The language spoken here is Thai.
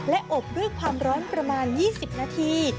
และอบด้วยความร้อนประมาณ๒๐นาที